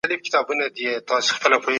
د څښاک پاکي اوبه لومړنی حق دی.